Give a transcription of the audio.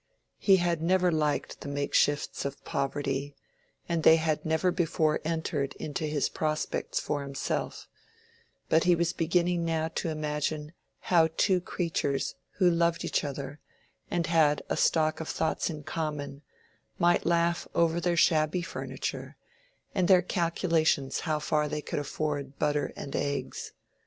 He had never liked the makeshifts of poverty, and they had never before entered into his prospects for himself; but he was beginning now to imagine how two creatures who loved each other, and had a stock of thoughts in common, might laugh over their shabby furniture, and their calculations how far they could afford butter and eggs.